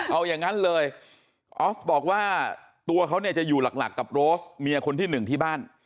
เอาอย่างนั้นเลยออฟบอกว่าตัวเขาเนี่ยจะอยู่หลักกับโรสเมียคนที่หนึ่งที่บ้าน